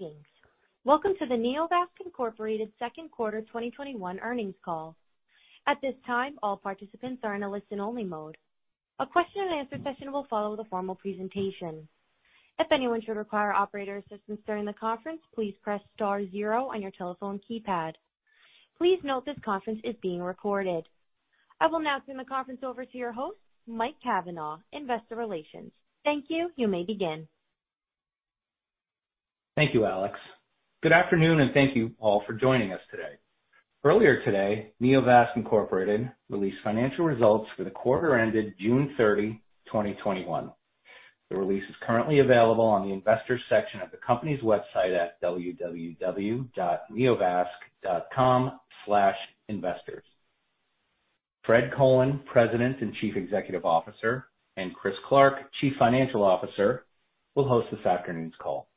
Greetings. Welcome to the Neovasc Incorporated second quarter 2021 earnings call. At this time, all participants are in a listen-only mode. A question-and-answer session will follow the formal presentation. If anyone should require operator assistance during the conference, please press star zero on your telephone keypad. Please note this conference is being recorded. I will now turn the conference over to your host, Mike Cavanaugh, investor relations. Thank you. You may begin. Thank you, Alex. Good afternoon, and thank you all for joining us today. Earlier today, Neovasc Incorporated released financial results for the quarter ended June 30, 2021. The release is currently available on the investors section of the company's website at www.neovasc.com/investors. Fred Colen, President and Chief Executive Officer, and Chris Clark, Chief Financial Officer, will host this afternoon's call.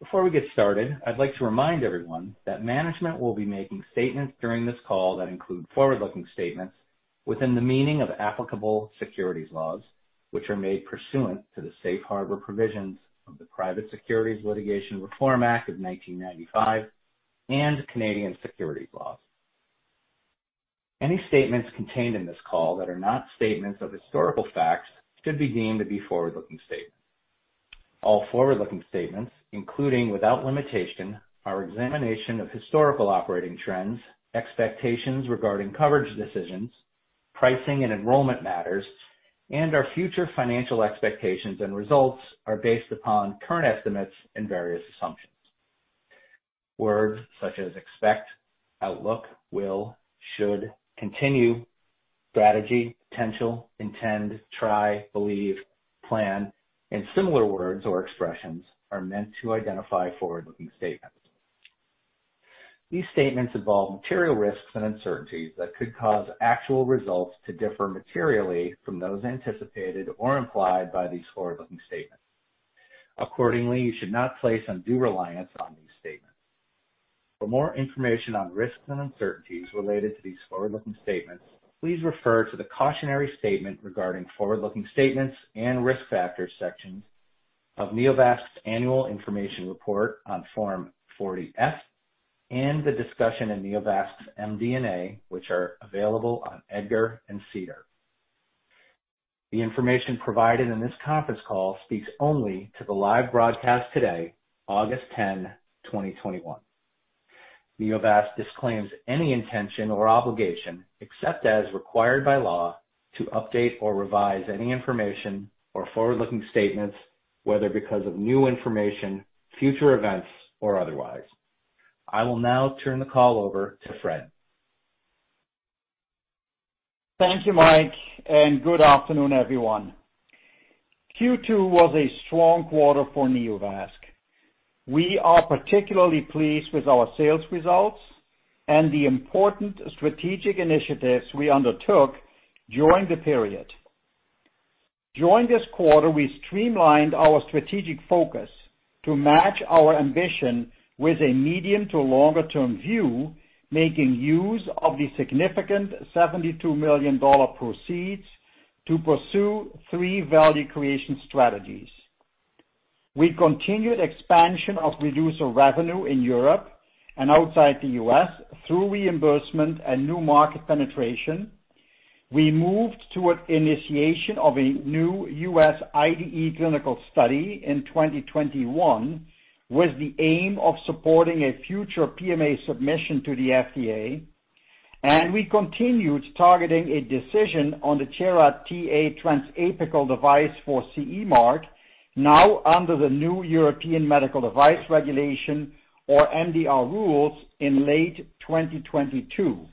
Before we get started, I'd like to remind everyone that management will be making statements during this call that include forward-looking statements within the meaning of applicable securities laws, which are made pursuant to the safe harbor provisions of the Private Securities Litigation Reform Act of 1995 and Canadian securities laws. Any statements contained in this call that are not statements of historical facts should be deemed to be forward-looking statements. All forward-looking statements, including, without limitation, our examination of historical operating trends, expectations regarding coverage decisions, pricing and enrollment matters, and our future financial expectations and results are based upon current estimates and various assumptions. Words such as expect, outlook, will, should, continue, strategy, potential, intend, try, believe, plan, and similar words or expressions are meant to identify forward-looking statements. These statements involve material risks and uncertainties that could cause actual results to differ materially from those anticipated or implied by these forward-looking statements. Accordingly, you should not place undue reliance on these statements. For more information on risks and uncertainties related to these forward-looking statements, please refer to the Cautionary Statement Regarding Forward-Looking Statements and Risk Factor section of Neovasc's annual information report on Form 40-F and the discussion in Neovasc's MD&A, which are available on EDGAR and SEDAR. The information provided in this conference call speaks only to the live broadcast today, August 10, 2021. Neovasc disclaims any intention or obligation, except as required by law, to update or revise any information or forward-looking statements, whether because of new information, future events, or otherwise. I will now turn the call over to Fred. Thank you, Mike, and good afternoon, everyone. Q2 was a strong quarter for Neovasc. We are particularly pleased with our sales results and the important strategic initiatives we undertook during the period. During this quarter, we streamlined our strategic focus to match our ambition with a medium to longer-term view, making use of the significant $72 million proceeds to pursue three value creation strategies. We continued expansion of Reducer revenue in Europe and outside the U.S. through reimbursement and new market penetration. We moved toward initiation of a new U.S. IDE clinical study in 2021, with the aim of supporting a future PMA submission to the FDA. We continued targeting a decision on the Tiara TA transapical device for CE mark, now under the new European Medical Device Regulation or MDR rules in late 2022.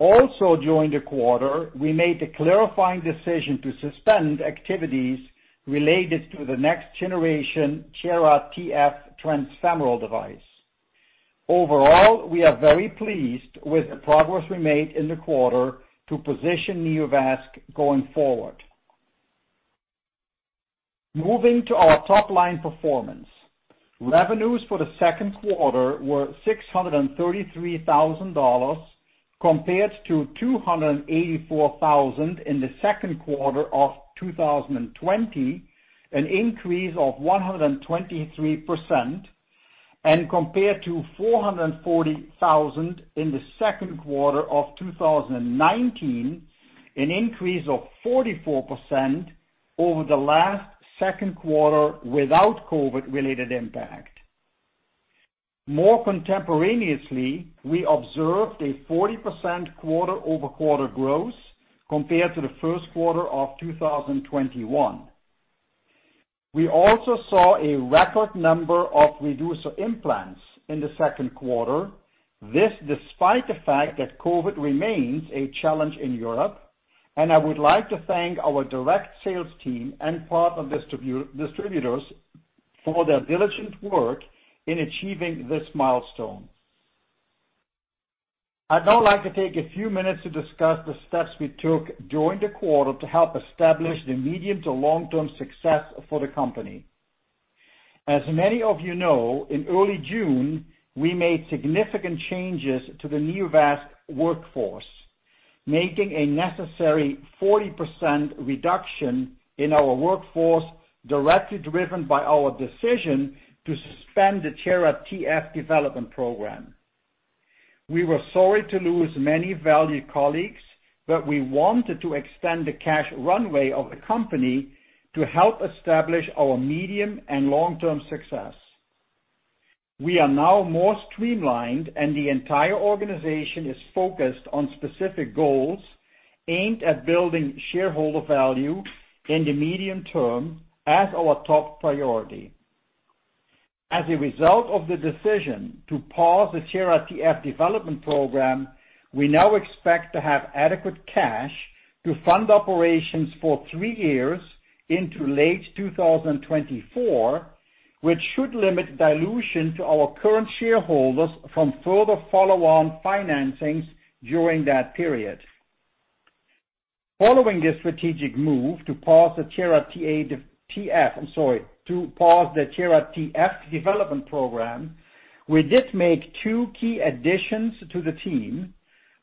During the quarter, we made the clarifying decision to suspend activities related to the next generation Tiara TF transfemoral device. Overall, we are very pleased with the progress we made in the quarter to position Neovasc going forward. Moving to our top-line performance. Revenues for the second quarter were $633,000 compared to $284,000 in the second quarter of 2020, an increase of 123%, and compared to $440,000 in the second quarter of 2019, an increase of 44% over the last second quarter without COVID-related impact. More contemporaneously, we observed a 40% quarter-over-quarter growth compared to the first quarter of 2021. We also saw a record number of Reducer implants in the second quarter. This despite the fact that COVID remains a challenge in Europe. I would like to thank our direct sales team and partner distributors for their diligent work in achieving this milestone. I'd now like to take a few minutes to discuss the steps we took during the quarter to help establish the medium to long-term success for the company. As many of you know, in early June, we made significant changes to the Neovasc workforce. Making a necessary 40% reduction in our workforce, directly driven by our decision to suspend the Tiara TF development program. We were sorry to lose many valued colleagues. We wanted to extend the cash runway of the company to help establish our medium and long-term success. We are now more streamlined, the entire organization is focused on specific goals aimed at building shareholder value in the medium term as our top priority. As a result of the decision to pause the Tiara TF development program, we now expect to have adequate cash to fund operations for three years into late 2024, which should limit dilution to our current shareholders from further follow-on financings during that period. Following this strategic move to pause the Tiara TF development program, we did make two key additions to the team,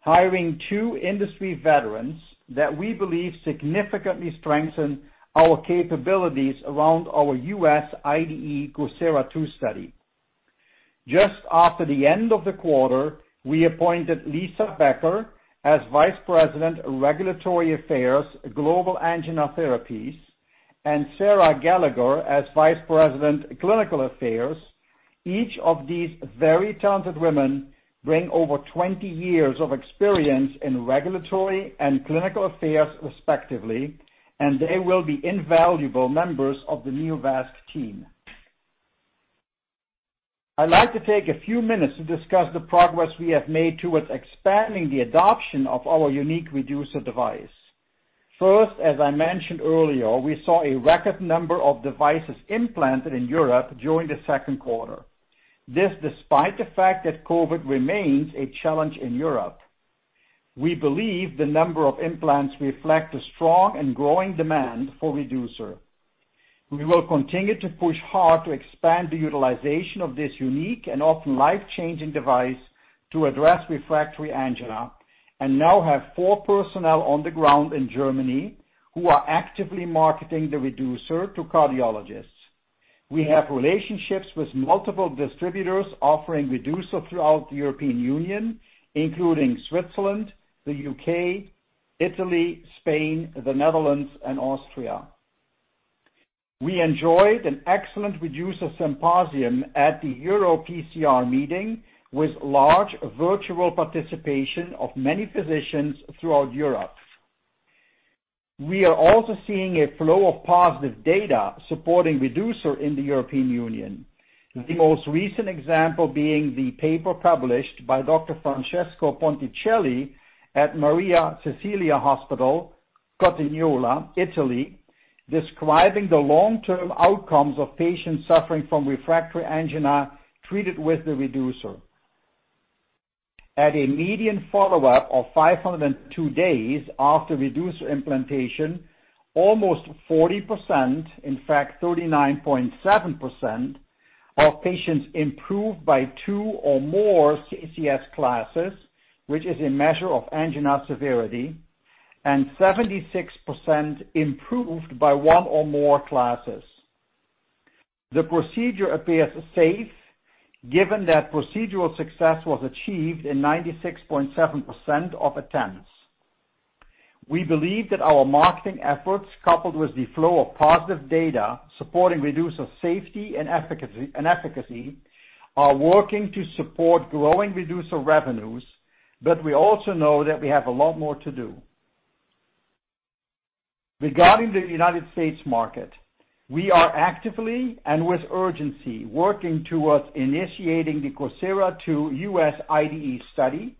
hiring two industry veterans that we believe significantly strengthen our capabilities around our U.S. IDE COSIRA-II study. Just after the end of the quarter, we appointed Lisa Becker as Vice President, Regulatory Affairs, Global Angina Therapies, and Sarah Gallagher as Vice President, Clinical Affairs. Each of these very talented women bring over 20 years of experience in regulatory and clinical affairs respectively, and they will be invaluable members of the Neovasc team. I'd like to take a few minutes to discuss the progress we have made towards expanding the adoption of our unique Reducer device. First, as I mentioned earlier, we saw a record number of devices implanted in Europe during the second quarter. This despite the fact that COVID remains a challenge in Europe. We believe the number of implants reflect a strong and growing demand for Reducer. We will continue to push hard to expand the utilization of this unique and often life-changing device to address refractory angina and now have four personnel on the ground in Germany who are actively marketing the Reducer to cardiologists. We have relationships with multiple distributors offering Reducer throughout the European Union, including Switzerland, the U.K., Italy, Spain, the Netherlands, and Austria. We enjoyed an excellent Reducer symposium at the EuroPCR meeting with large virtual participation of many physicians throughout Europe. We are also seeing a flow of positive data supporting Reducer in the European Union. The most recent example being the paper published by Dr. Francesco Ponticelli at Maria Cecilia Hospital, Cotignola, Italy, describing the long-term outcomes of patients suffering from refractory angina treated with the Reducer. At a median follow-up of 502 days after Reducer implantation, almost 40%, in fact, 39.7% of patients improved by 2 or more CCS classes, which is a measure of angina severity, and 76% improved by 1 or more classes. The procedure appears safe given that procedural success was achieved in 96.7% of attempts. We believe that our marketing efforts, coupled with the flow of positive data supporting Reducer safety and efficacy, are working to support growing Reducer revenues. We also know that we have a lot more to do. Regarding the U.S. market, we are actively and with urgency working towards initiating the COSIRA-II U.S. IDE study,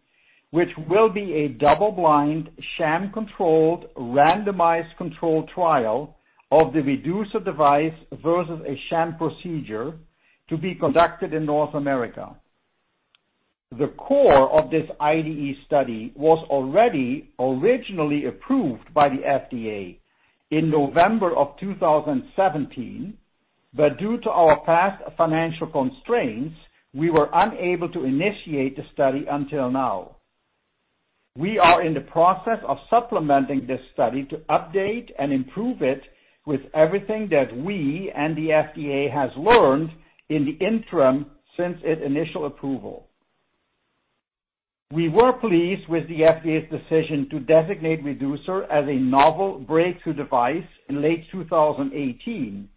which will be a double-blind, sham-controlled, randomized controlled trial of the Reducer device versus a sham procedure to be conducted in North America. The core of this IDE study was already originally approved by the FDA in November 2017. Due to our past financial constraints, we were unable to initiate the study until now. We are in the process of supplementing this study to update and improve it with everything that we and the FDA has learned in the interim since its initial approval. We were pleased with the FDA's decision to designate Reducer as a novel breakthrough device in late 2018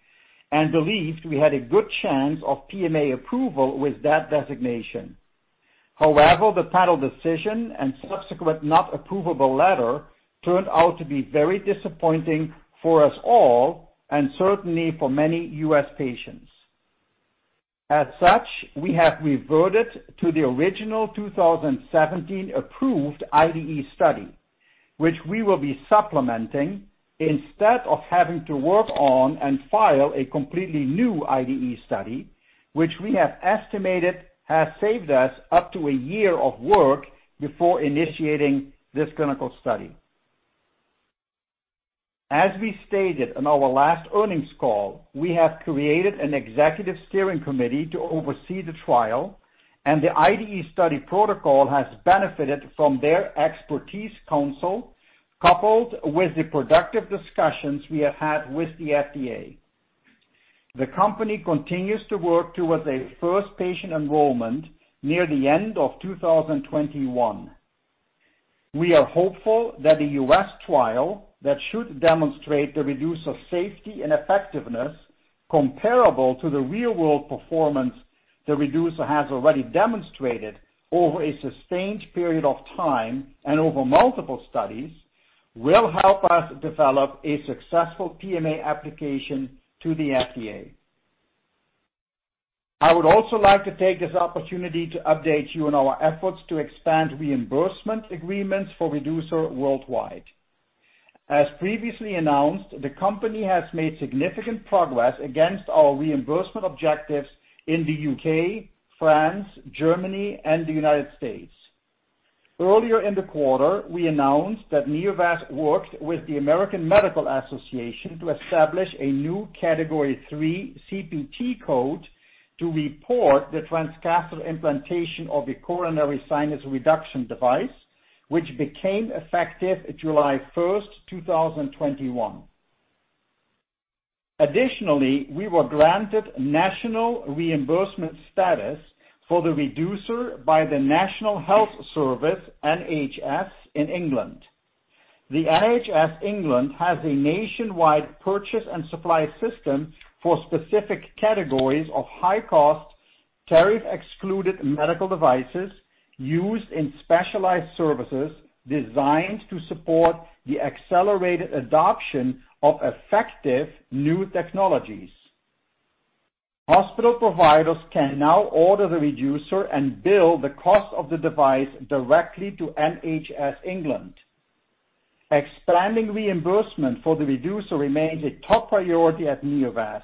and believed we had a good chance of PMA approval with that designation. The panel decision and subsequent not approvable letter turned out to be very disappointing for us all and certainly for many U.S. patients. As such, we have reverted to the original 2017 approved IDE study, which we will be supplementing instead of having to work on and file a completely new IDE study, which we have estimated has saved us up to a year of work before initiating this clinical study. As we stated on our last earnings call, we have created an executive steering committee to oversee the trial, and the IDE study protocol has benefited from their expertise council, coupled with the productive discussions we have had with the FDA. The company continues to work towards a first patient enrollment near the end of 2021. We are hopeful that the U.S. trial that should demonstrate the Reducer safety and effectiveness comparable to the real-world performance the Reducer has already demonstrated over a sustained period of time and over multiple studies will help us develop a successful PMA application to the FDA. I would also like to take this opportunity to update you on our efforts to expand reimbursement agreements for Reducer worldwide. As previously announced, the company has made significant progress against our reimbursement objectives in the U.K., France, Germany, and the United States. Earlier in the quarter, we announced that Neovasc worked with the American Medical Association to establish a new category 3 CPT code to report the transcatheter implantation of the coronary sinus reduction device, which became effective July 1st, 2021. Additionally, we were granted national reimbursement status for the Reducer by the National Health Service, NHS, in England. The NHS England has a nationwide purchase and supply system for specific categories of high cost, tariff-excluded medical devices used in specialized services designed to support the accelerated adoption of effective new technologies. Hospital providers can now order the Reducer and bill the cost of the device directly to NHS England. Expanding reimbursement for the Reducer remains a top priority at Neovasc,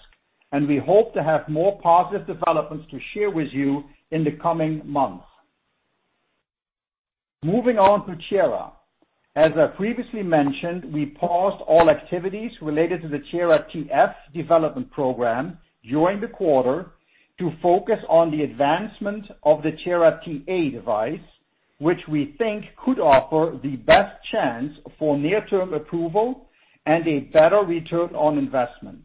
and we hope to have more positive developments to share with you in the coming months. Moving on to Tiara. As I previously mentioned, we paused all activities related to the Tiara TF development program during the quarter to focus on the advancement of the Tiara TA device, which we think could offer the best chance for near-term approval and a better return on investment.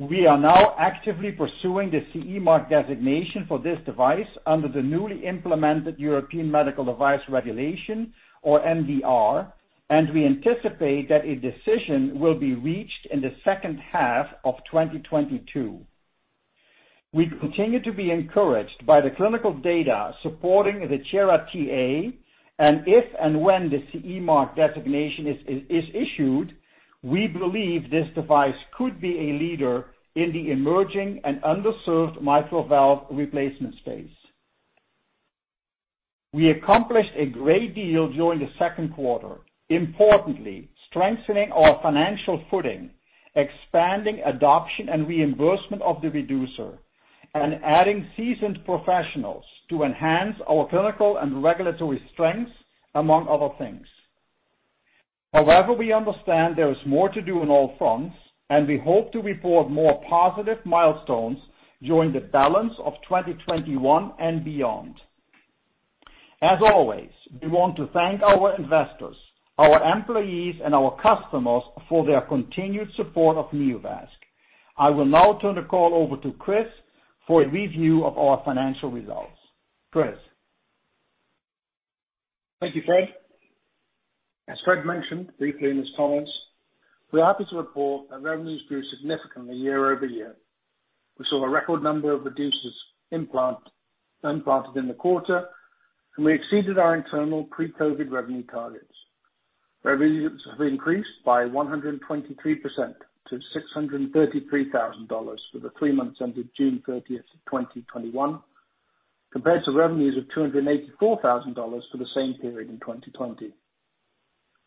We are now actively pursuing the CE mark designation for this device under the newly implemented European Medical Device Regulation, or MDR, and we anticipate that a decision will be reached in the second half of 2022. We continue to be encouraged by the clinical data supporting the Tiara TA, and if and when the CE mark designation is issued, we believe this device could be a leader in the emerging and underserved mitral valve replacement space. We accomplished a great deal during the second quarter, importantly, strengthening our financial footing, expanding adoption and reimbursement of the Reducer, and adding seasoned professionals to enhance our clinical and regulatory strengths, among other things. However, we understand there is more to do on all fronts, and we hope to report more positive milestones during the balance of 2021 and beyond. As always, we want to thank our investors, our employees, and our customers for their continued support of Neovasc. I will now turn the call over to Chris for a review of our financial results. Chris? Thank you, Fred. As Fred mentioned briefly in his comments, we are happy to report that revenues grew significantly year-over-year. We saw a record number of Reducer implanted in the quarter, and we exceeded our internal pre-COVID revenue targets. Revenues have increased by 123% to $633,000 for the three months ended June 30, 2021, compared to revenues of $284,000 for the same period in 2020.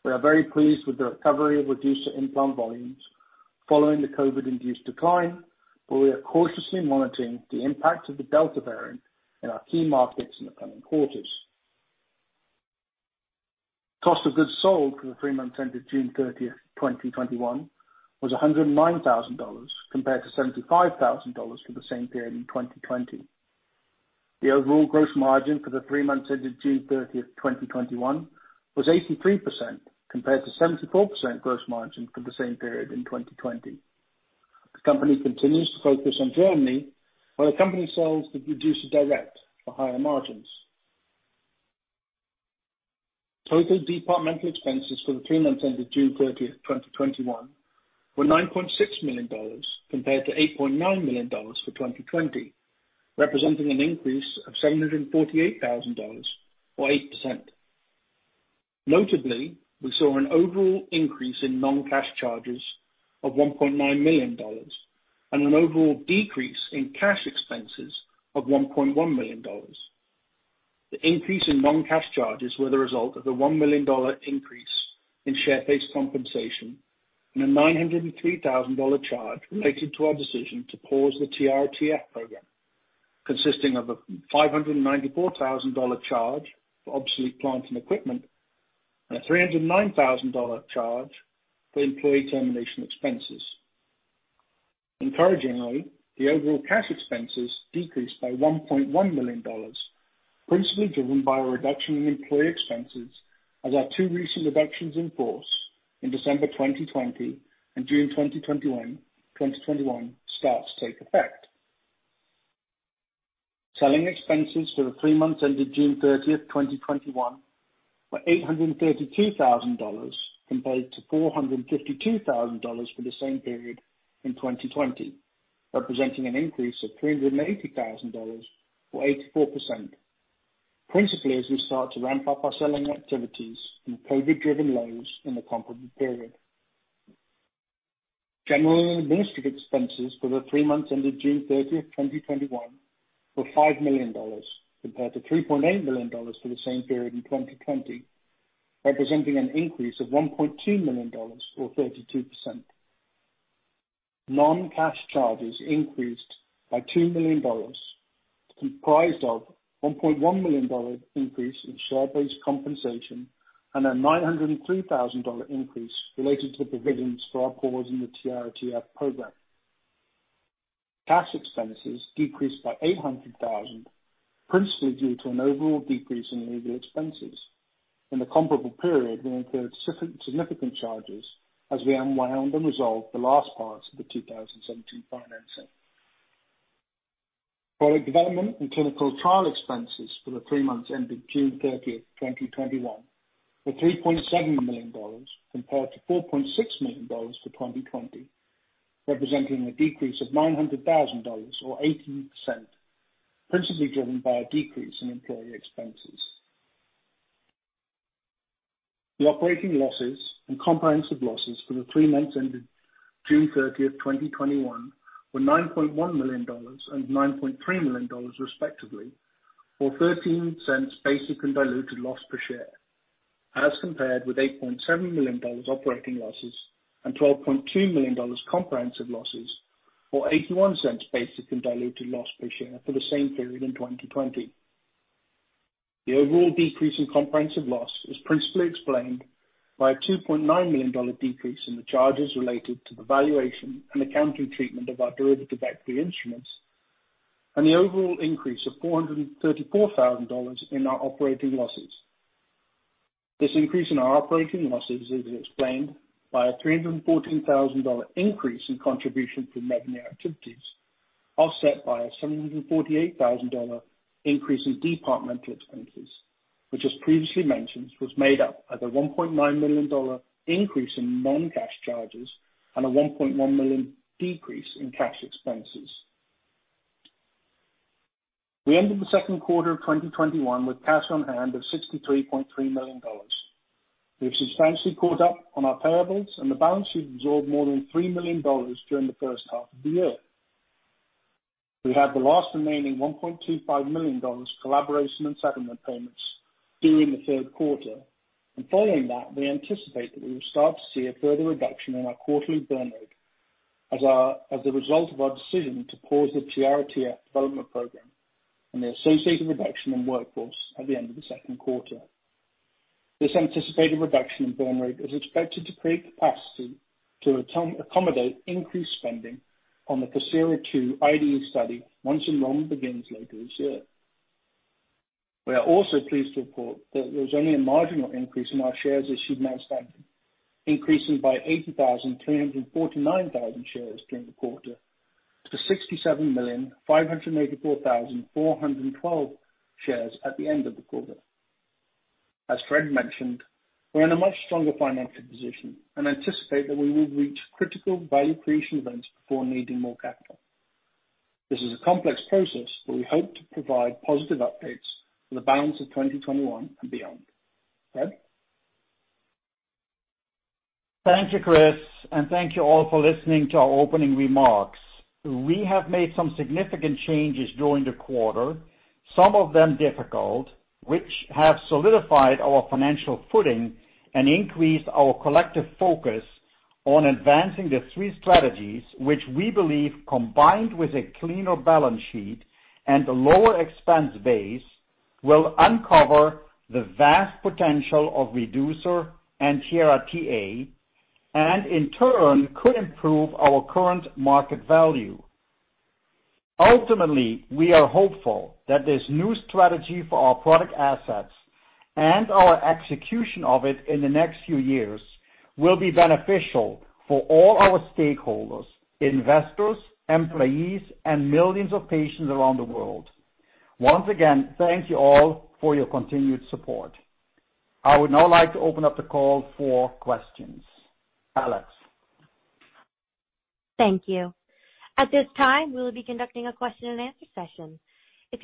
We are very pleased with the recovery of Reducer implant volumes following the COVID-induced decline, but we are cautiously monitoring the impact of the Delta variant in our key markets in the coming quarters. Cost of goods sold for the three months ended June 30, 2021, was $109,000 compared to $75,000 for the same period in 2020. The overall gross margin for the three months ended June 30, 2021, was 83% compared to 74% gross margin for the same period in 2020. The company continues to focus on Germany, where the company sells the Reducer direct for higher margins. Total departmental expenses for the three months ended June 30, 2021, were $9.6 million, compared to $8.9 million for 2020, representing an increase of $748,000 or 8%. Notably, we saw an overall increase in non-cash charges of $1.9 million and an overall decrease in cash expenses of $1.1 million. The increase in non-cash charges were the result of the $1 million increase in share-based compensation and a $903,000 charge related to our decision to pause the Tiara TF program, consisting of a $594,000 charge for obsolete plant and equipment, and a $309,000 charge for employee termination expenses. Encouragingly, the overall cash expenses decreased by $1.1 million, principally driven by a reduction in employee expenses as our two recent reductions in force in December 2020 and June 2021 starts to take effect. Selling expenses for the three months ended June 30, 2021 were $832,000 compared to $452,000 for the same period in 2020, representing an increase of $380,000 or 84%, principally as we start to ramp up our selling activities from COVID driven lows in the comparable period. General and administrative expenses for the three months ended June 30, 2021 were $5 million compared to $3.8 million for the same period in 2020, representing an increase of $1.2 million or 32%. Non-cash charges increased by $2 million, comprised of $1.1 million increase in share-based compensation and a $903,000 increase related to the provisions for our pause in the Tiara TA program. Cash expenses decreased by $800,000, principally due to an overall decrease in legal expenses. In the comparable period, we incurred significant charges as we unwound and resolved the last parts of the 2017 financing. Product development and clinical trial expenses for the three months ending June 30, 2021 were $3.7 million compared to $4.6 million for 2020, representing a decrease of $900,000 or 18%, principally driven by a decrease in employee expenses. The operating losses and comprehensive losses for the three months ending June 30th, 2021 were $9.1 million and $9.3 million, respectively, or $0.13 basic and diluted loss per share, as compared with $8.7 million operating losses and $12.2 million comprehensive losses, or $0.81 basic and diluted loss per share for the same period in 2020. The overall decrease in comprehensive loss is principally explained by a $2.9 million decrease in the charges related to the valuation and accounting treatment of our derivative equity instruments and the overall increase of $434,000 in our operating losses. This increase in our operating losses is explained by a $314,000 increase in contribution from Reducer activities, offset by a $748,000 increase in departmental expenses, which, as previously mentioned, was made up of the $1.9 million increase in non-cash charges and a $1.1 million decrease in cash expenses. We ended the Q2 2021 with cash on hand of $63.3 million. We have substantially caught up on our payables, and the balance sheet absorbed more than $3 million during the H1. We have the last remaining $1.25 million collaboration and settlement payments due in the Q3. Following that, we anticipate that we will start to see a further reduction in our quarterly burn rate as a result of our decision to pause the Tiara TA development program and the associated reduction in workforce at the end of the second quarter. This anticipated reduction in burn rate is expected to create capacity to accommodate increased spending on the COSIRA-II IDE study once enrollment begins later this year. We are also pleased to report that there was only a marginal increase in our shares issued and outstanding, increasing by 80,249 shares during the quarter to 67,584,412 shares at the end of the quarter. As Fred mentioned, we're in a much stronger financial position and anticipate that we will reach critical value creation events before needing more capital. This is a complex process, but we hope to provide positive updates for the balance of 2021 and beyond. Fred? Thank you, Chris, and thank you all for listening to our opening remarks. We have made some significant changes during the quarter, some of them difficult, which have solidified our financial footing and increased our collective focus on advancing the three strategies, which we believe, combined with a cleaner balance sheet and a lower expense base, will uncover the vast potential of Reducer and Tiara TA, and in turn could improve our current market value. Ultimately, we are hopeful that this new strategy for our product assets and our execution of it in the next few years will be beneficial for all our stakeholders, investors, employees, and millions of patients around the world. Once again, thank you all for your continued support. I would now like to open up the call for questions. Alex. Thank you. At this time, we will be conducting a question and answer session. Our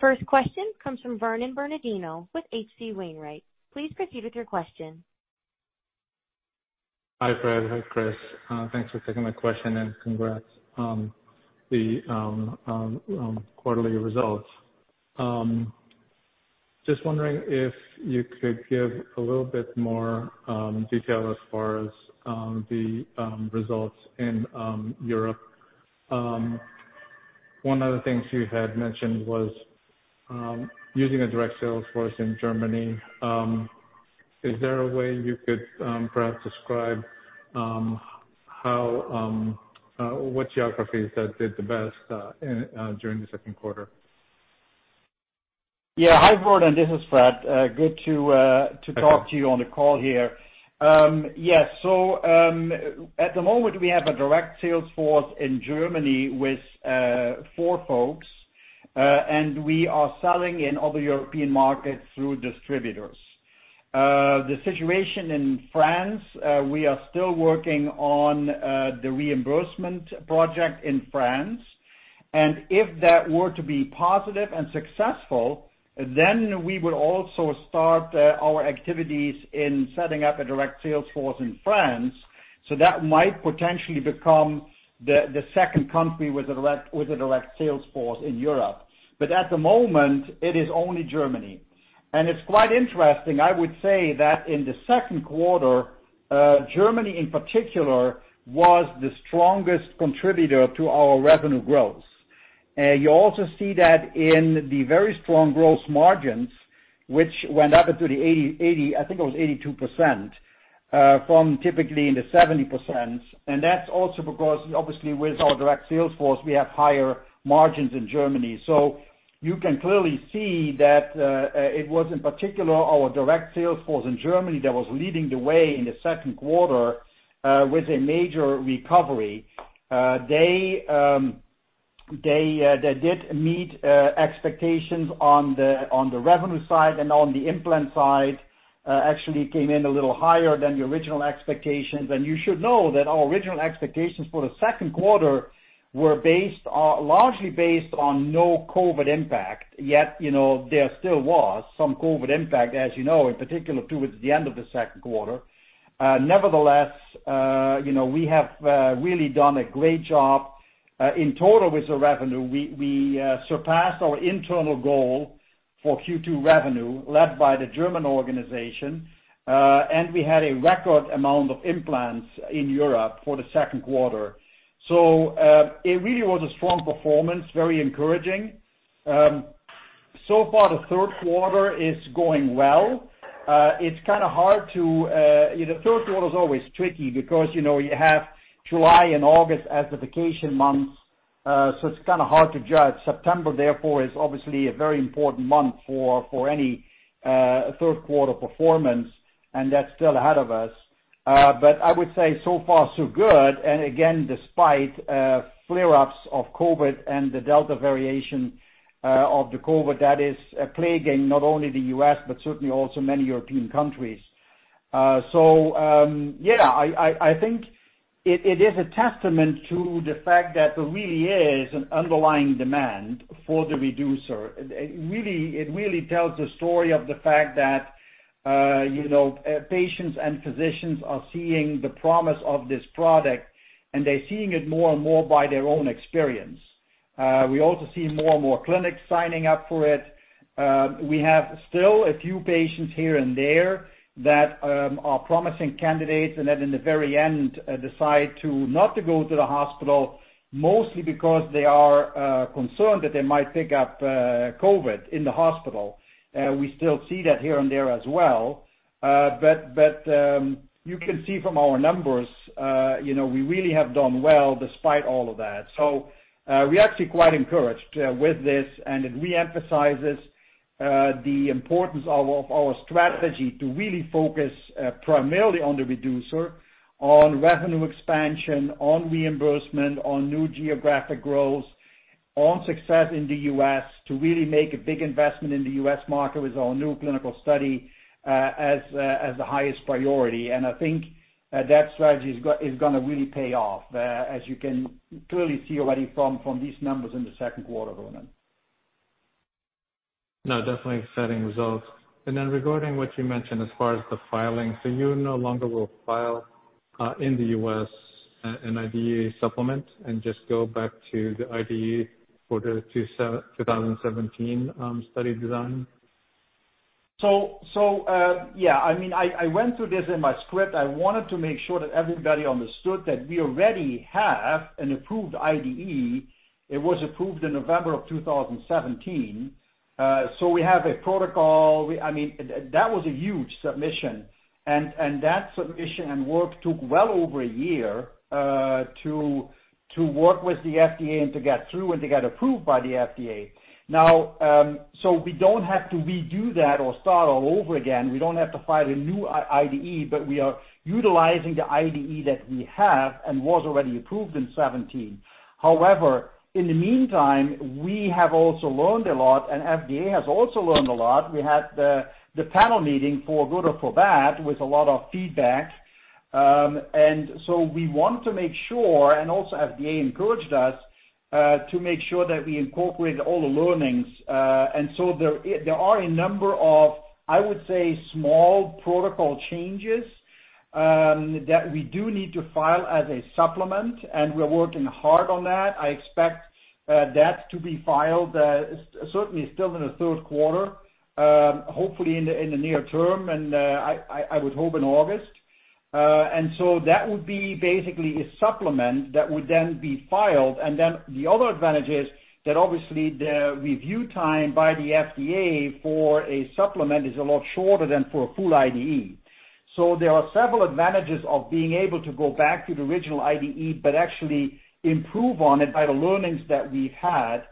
first question comes from Vernon Bernardino with H.C. Wainwright & Co. Please proceed with your question. Hi, Fred. Hi, Chris. Thanks for taking my question, and congrats on the quarterly results. Just wondering if you could give a little bit more detail as far as the results in Europe. One of the things you had mentioned was using a direct sales force in Germany. Is there a way you could perhaps describe how what geographies that did the best in during the second quarter? Yeah. Hi, Vernon. This is Fred. Good to talk. Thank you. to you on the call here. At the moment, we have a direct sales force in Germany with four folks. We are selling in other European markets through distributors. The situation in France, we are still working on the reimbursement project in France. If that were to be positive and successful, we would also start our activities in setting up a direct sales force in France. That might potentially become the second country with a direct sales force in Europe. At the moment, it is only Germany. It's quite interesting. I would say that in the second quarter, Germany in particular was the strongest contributor to our revenue growth. You also see that in the very strong growth margins, which went up into the 80%, 82%, from typically in the 70%. That's also because obviously with our direct sales force, we have higher margins in Germany. You can clearly see that it was in particular our direct sales force in Germany that was leading the way in the second quarter with a major recovery. They did meet expectations on the revenue side and on the implant side, actually came in a little higher than the original expectations. You should know that our original expectations for the second quarter were largely based on no COVID impact. Yet, you know, there still was some COVID impact, as you know, in particular towards the end of the second quarter. Nevertheless, you know, we have really done a great job in total with the revenue. We surpassed our internal goal for Q2 revenue, led by the German organization. We had a record amount of implants in Europe for the second quarter. It really was a strong performance, very encouraging. So far the third quarter is going well. It's kind of hard to, you know, the third quarter is always tricky because, you know, you have July and August as the vacation months, so it's kind of hard to judge. September, therefore, is obviously a very important month for any third quarter performance, and that's still ahead of us. I would say so far so good. Despite flare-ups of COVID and the Delta variant of the COVID that is plaguing not only the U.S., but certainly also many European countries. I think it is a testament to the fact that there really is an underlying demand for the Reducer. It really tells a story of the fact that, you know, patients and physicians are seeing the promise of this product, and they're seeing it more and more by their own experience. We also see more and more clinics signing up for it. We have still a few patients here and there that are promising candidates and then in the very end, decide to not to go to the hospital, mostly because they are concerned that they might pick up COVID in the hospital. We still see that here and there as well. But, you know, we really have done well despite all of that. We're actually quite encouraged with this, and it re-emphasizes the importance of our strategy to really focus primarily on the Reducer, on revenue expansion, on reimbursement, on new geographic growth, on success in the U.S. to really make a big investment in the U.S. market with our new clinical study as the highest priority. I think that strategy is gonna really pay off, as you can clearly see already from these numbers in the second quarter, Vernon. No, definitely exciting results. Regarding what you mentioned as far as the filing, you no longer will file in the U.S. an IDE supplement and just go back to the IDE for the 2017 study design? Yeah, I mean, I went through this in my script. I wanted to make sure that everybody understood that we already have an approved IDE. It was approved in November 2017. We have a protocol. That was a huge submission. That submission and work took well over a year to work with the FDA and to get through and to get approved by the FDA. We don't have to redo that or start all over again. We don't have to file a new IDE, but we are utilizing the IDE that we have and was already approved in 2017. However, in the meantime, we have also learned a lot, and FDA has also learned a lot. We had the panel meeting for good or for bad, with a lot of feedback. We want to make sure, and also FDA encouraged us to make sure that we incorporate all the learnings. There are a number of, I would say, small protocol changes that we do need to file as a supplement, and we're working hard on that. I expect that to be filed certainly still in the third quarter, hopefully in the near term, I would hope in August. That would be basically a supplement that would then be filed. The other advantage is that obviously the review time by the FDA for a supplement is a lot shorter than for a full IDE. There are several advantages of being able to go back to the original IDE, but actually improve on it by the learnings that we've had.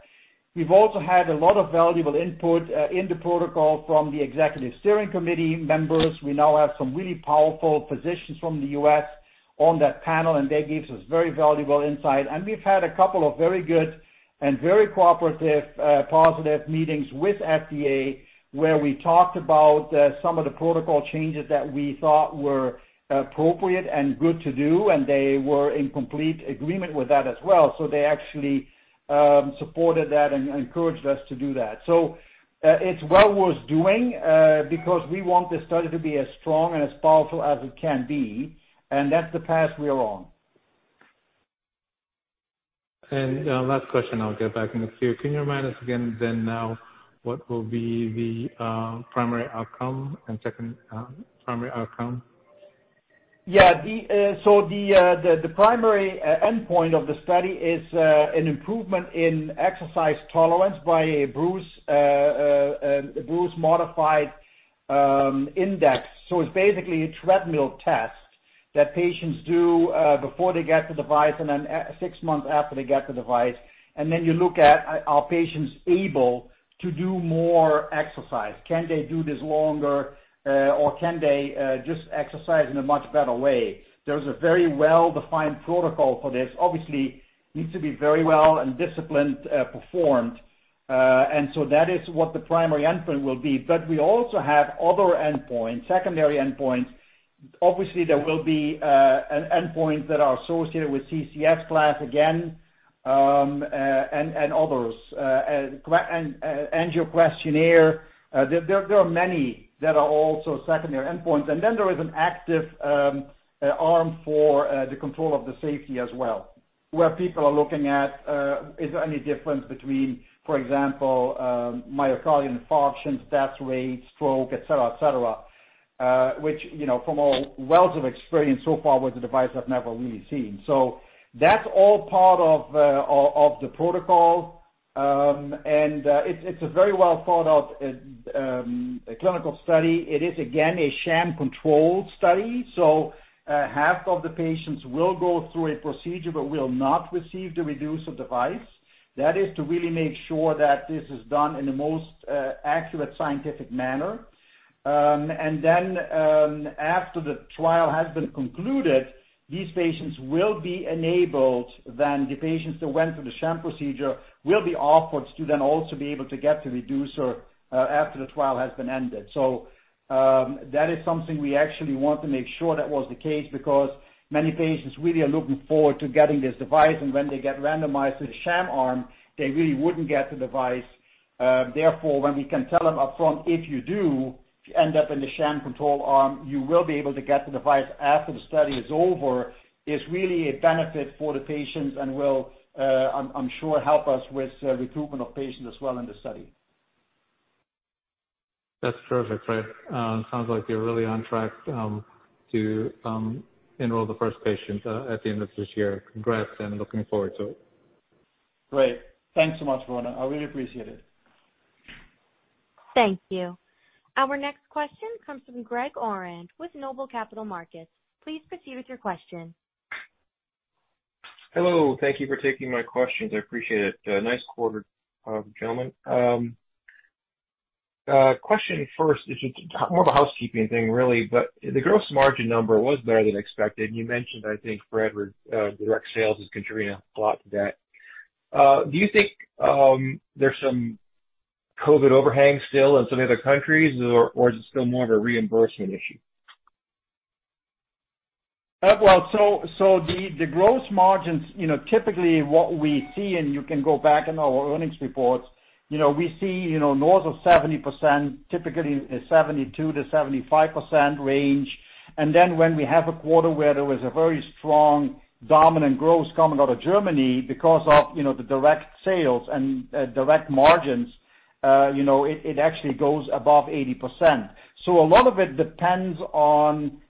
We've also had a lot of valuable input in the protocol from the executive steering committee members. We now have some really powerful physicians from the U.S. on that panel, and that gives us very valuable insight. We've had a couple of very good and very cooperative positive meetings with FDA, where we talked about some of the protocol changes that we thought were appropriate and good to do, and they were in complete agreement with that as well. They actually supported that and encouraged us to do that. It's well worth doing because we want this study to be as strong and as powerful as it can be, and that's the path we're on. Last question, I'll get back in the queue. Can you remind us again then now what will be the primary outcome and second primary outcome? Yeah. The primary endpoint of the study is an improvement in exercise tolerance by a Bruce modified index. It's basically a treadmill test that patients do before they get the device and then six months after they get the device. You look at, are patients able to do more exercise? Can they do this longer, or can they just exercise in a much better way? There's a very well-defined protocol for this. Obviously, needs to be very well and disciplined performed. That is what the primary endpoint will be. We also have other endpoints, secondary endpoints. Obviously, there will be an endpoint that are associated with CCS class again, and others, and uncertain. There are many that are also secondary endpoints. There is an active arm for the control of the safety as well, where people are looking at, is there any difference between, for example, myocardial infarctions, death rates, stroke, et cetera, et cetera, which, you know, from a wealth of experience so far with the device, I've never really seen. That's all part of the protocol. It's a very well thought out clinical study. It is, again, a sham-controlled study, half of the patients will go through a procedure but will not receive the Reducer device. That is to really make sure that this is done in the most accurate scientific manner. Then, after the trial has been concluded, these patients will be enabled, then the patients that went through the sham procedure will be offered to then also be able to get the Reducer after the trial has been ended. That is something we actually want to make sure that was the case because many patients really are looking forward to getting this device, and when they get randomized to the sham arm, they really wouldn't get the device. Therefore, when we can tell them upfront, "If you do end up in the sham control arm, you will be able to get the device after the study is over," is really a benefit for the patients and will, I'm sure help us with recruitment of patients as well in the study. That's perfect, Fred. Sounds like you're really on track, to enroll the first patient, at the end of this year. Congrats. Looking forward to it. Great. Thanks so much, Vernon. I really appreciate it. Thank you. Our next question comes from Greg Aurand with Noble Capital Markets. Please proceed with your question. Hello. Thank you for taking my questions. I appreciate it. Nice quarter, gentlemen. Question first is just more of a housekeeping thing, really, but the gross margin number was better than expected. You mentioned, I think, Fred, direct sales is contributing a lot to that. Do you think there's some COVID overhang still in some of the other countries or is it still more of a reimbursement issue? Well, the gross margins, you know, typically what we see, and you can go back in our earnings reports, you know, we see, you know, north of 70%, typically 72%-75% range. When we have a quarter where there was a very strong dominant gross coming out of Germany because of, you know, the direct sales and direct margins, you know, it actually goes above 80%. A lot of it depends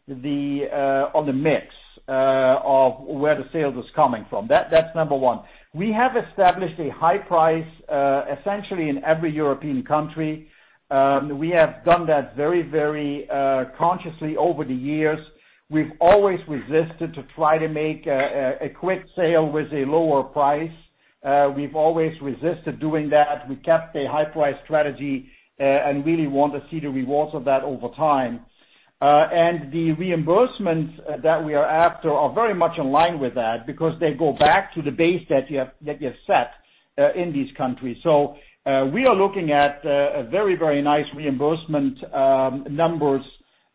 on the mix of where the sales is coming from. That's number one. We have established a high price essentially in every European country. We have done that very consciously over the years. We've always resisted to try to make a quick sale with a lower price. We've always resisted doing that. We kept a high price strategy, and really want to see the rewards of that over time. The reimbursements that we are after are very much in line with that because they go back to the base that you have, that you have set in these countries. We are looking at a very, very nice reimbursement numbers.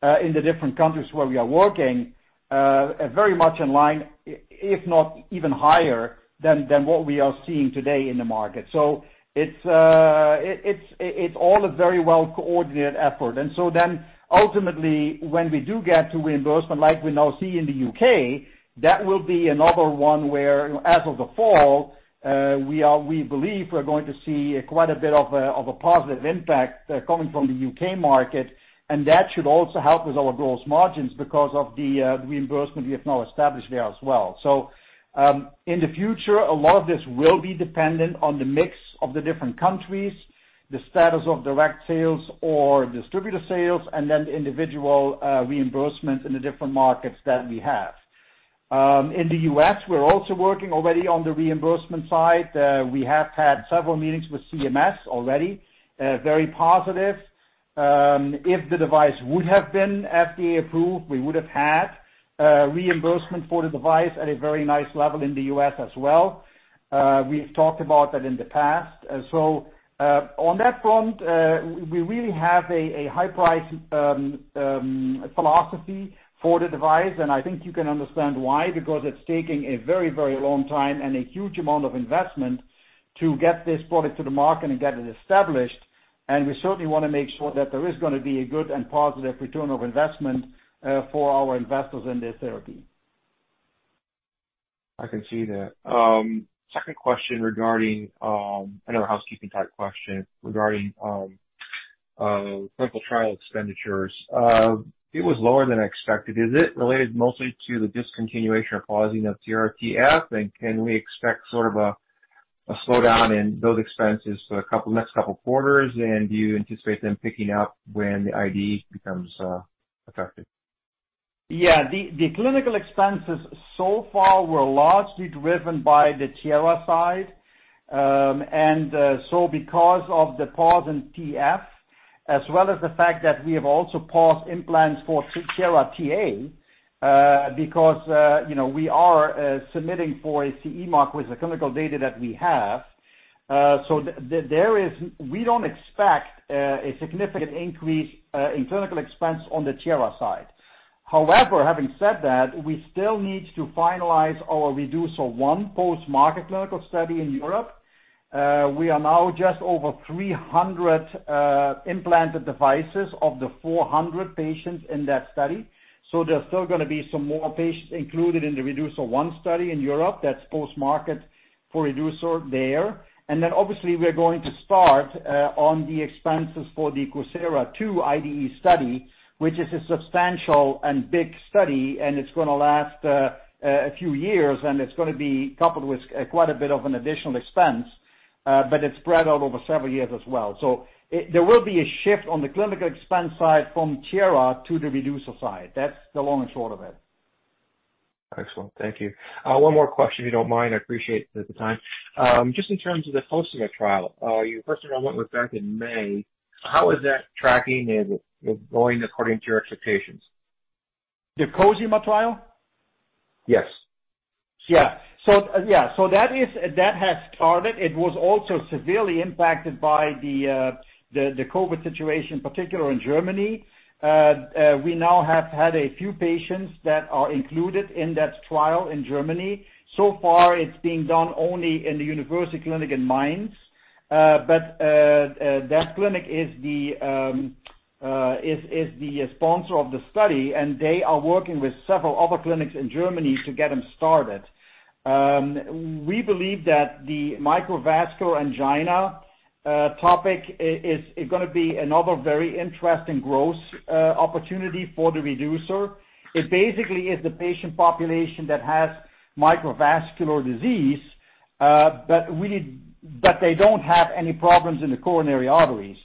In the different countries where we are working, very much in line, if not even higher than what we are seeing today in the market. It's all a very well-coordinated effort. Ultimately, when we do get to reimbursement, like we now see in the U.K., that will be another one where, as of the fall, we believe we're going to see quite a bit of a positive impact coming from the U.K. market, and that should also help with our gross margins because of the reimbursement we have now established there as well. In the future, a lot of this will be dependent on the mix of the different countries, the status of direct sales or distributor sales, and then the individual reimbursements in the different markets that we have. In the U.S., we're also working already on the reimbursement side. We have had several meetings with CMS already, very positive. If the device would have been FDA-approved, we would have had reimbursement for the device at a very nice level in the U.S. as well. We've talked about that in the past. We really have a high-price philosophy for the device, and I think you can understand why, because it's taking a very, very long time and a huge amount of investment to get this product to the market and get it established. We certainly wanna make sure that there is gonna be a good and positive return of investment for our investors in this therapy. I can see that. Second question regarding another housekeeping-type question regarding clinical trial expenditures. It was lower than expected. Is it related mostly to the discontinuation or pausing of Tiara TF? Can we expect sort of a slowdown in those expenses for the next two quarters? Do you anticipate them picking up when the IDE becomes effective? Yeah. The clinical expenses so far were largely driven by the Tiara side. Because of the pause in TF, as well as the fact that we have also paused implants for Tiara TA, because, you know, we are submitting for a CE mark with the clinical data that we have. We don't expect a significant increase in clinical expense on the Tiara side. However, having said that, we still need to finalize our REDUCER-I post-market clinical study in Europe. We are now just over 300 implanted devices of the 400 patients in that study. There's still gonna be some more patients included in the REDUCER-I study in Europe. That's post-market for Reducer there. Obviously, we are going to start on the expenses for the COSIRA-II IDE study, which is a substantial and big study, and it's gonna last a few years, and it's gonna be coupled with quite a bit of an additional expense, but it's spread out over several years as well. There will be a shift on the clinical expense side from Tiara to the Reducer side. That's the long and short of it. Excellent. Thank you. One more question, if you don't mind. I appreciate the time. Just in terms of the COSIMA trial, your first enrollment was back in May. How is that tracking? Is it going according to your expectations? The COSIMA trial? Yes. That has started. It was also severely impacted by the COVID situation, particularly in Germany. We now have had a few patients that are included in that trial in Germany. So far, it's being done only in the university clinic in Mainz. That clinic is the sponsor of the study, and they are working with several other clinics in Germany to get them started. We believe that the microvascular angina topic is gonna be another very interesting growth opportunity for the Reducer. It basically is the patient population that has microvascular disease, they don't have any problems in the coronary arteries.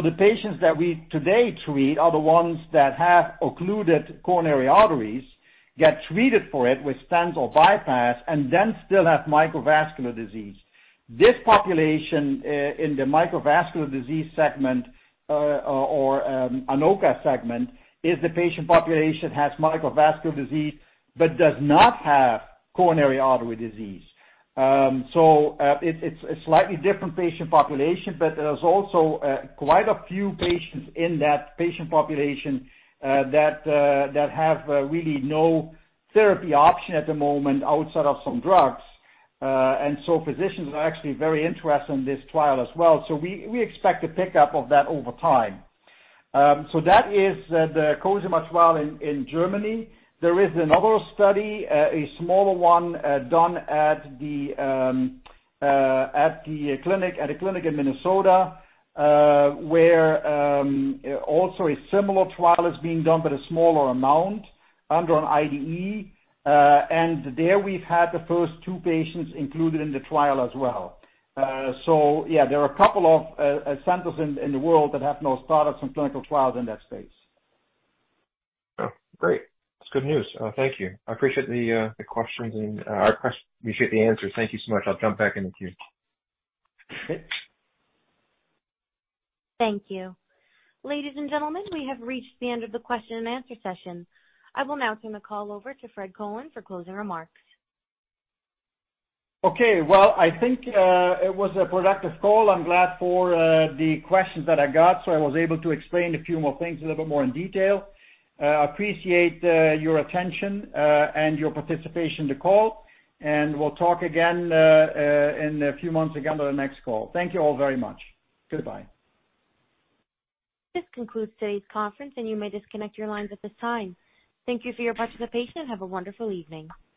The patients that we today treat are the ones that have occluded coronary arteries, get treated for it with stents or bypass, and then still have microvascular angina. This population in the microvascular angina segment or ANOCA segment, is the patient population has microvascular angina but does not have coronary artery disease. It's a slightly different patient population, but there's also quite a few patients in that patient population that have really no therapy option at the moment outside of some drugs. Physicians are actually very interested in this trial as well. We expect a pickup of that over time. That is the COSIMA trial in Germany. There is another study, a smaller one, done at the clinic, at a clinic in Minnesota, where also a similar trial is being done, but a smaller amount under an IDE. There, we've had the first two patients included in the trial as well. There are a couple of centers in the world that have now started some clinical trials in that space. Oh, great. That's good news. Thank you. I appreciate the questions and appreciate the answers. Thank you so much. I'll jump back in the queue. Okay. Thank you. Ladies and gentlemen, we have reached the end of the question and answer session. I will now turn the call over to Fred Colen for closing remarks. Okay. Well, I think it was a productive call. I'm glad for the questions that I got, so I was able to explain a few more things a little more in detail. Appreciate your attention and your participation in the call, and we'll talk again in a few months again on the next call. Thank you all very much. Goodbye. This concludes today's conference, and you may disconnect your lines at this time. Thank you for your participation, and have a wonderful evening.